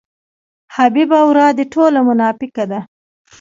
حبیبه ورا دې ټوله مناپیکه ده.